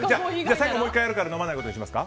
最後もう１回やるから飲まないことにしますか？